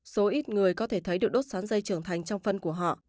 số ít người có thể thấy được đốt sắn dây trưởng thành trong phân của họ